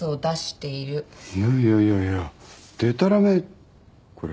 いやいやでたらめこれ。